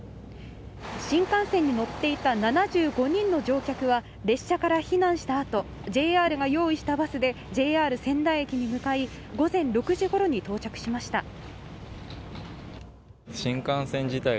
新幹線に乗っていた７５人の乗客は列車から避難した後ＪＲが用意したバスでＪＲ仙台駅に向かい午前６時ごろに到着しました。